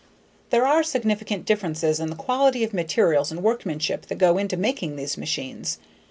There are significant differences in the quality of materials and workmanship that go into making these machines.